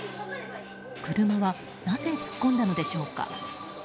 車はなぜ突っ込んだのでしょうか。